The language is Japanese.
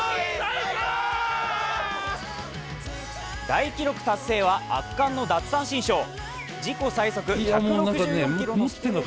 大記録達成は圧巻の奪三振ショー。